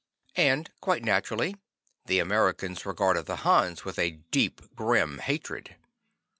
And quite naturally, the Americans regarded the Hans with a deep, grim hatred.